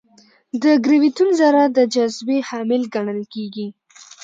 د ګرویتون ذره د جاذبې حامل ګڼل کېږي.